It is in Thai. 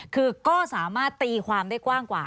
คือก็สามารถตีความได้กว้างกว่า